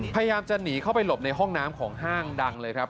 พยายามจะหนีเข้าไปหลบในห้องน้ำของห้างดังเลยครับ